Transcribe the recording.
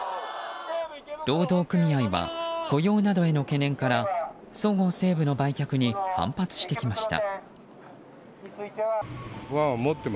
労働組合は雇用などへの懸念からそごう・西武の売却に反発してきました。